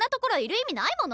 意味ないもの。